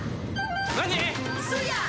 何！？